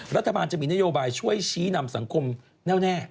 รัฐบาลจะมีนโยบายช่วยชี้นำสังคมแน่วแน่